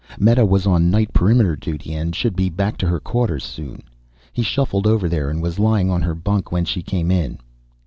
Meta was on night perimeter duty and should be back to her quarters soon. He shuffled over there and was lying on her bunk when she came in.